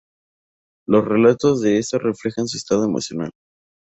Los relatos de esta reflejan su estado emocional.